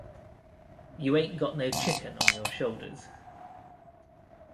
You ain't got no chicken on your shoulders.